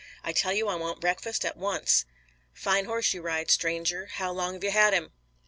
I tell you I want breakfast at once." "Fine horse you ride, stranger. How long have you had him?"